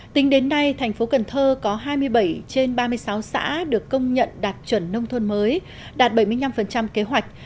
tính đến nay thành phố cần thơ có hai mươi bảy trên ba mươi sáu xã được công nhận đạt chuẩn nông thôn mới đạt bảy mươi năm kế hoạch